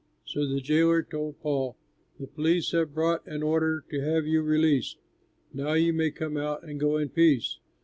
So the jailer told Paul, "The police have brought an order to have you released; now you may come out and go in peace."